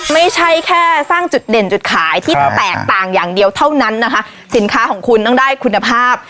ไม่ใช่แค่สร้างจุดเด่นจุดขายที่แตกต่างอย่างเดียวเท่านั้นนะคะสินค้าของคุณต้องได้คุณภาพ